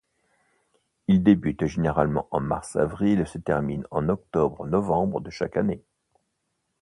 Il débute généralement en mars-avril et se termine en octobre-novembre de chaque année.